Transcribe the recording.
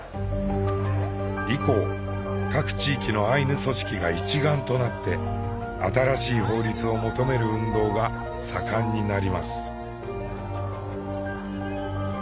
以降各地域のアイヌ組織が一丸となって新しい法律を求める運動が盛んになります。